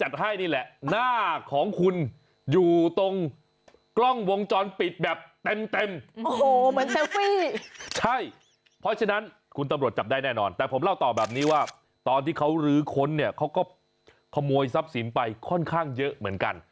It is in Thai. เฮ้ยมีคนเห็นป่ะเพี้ยน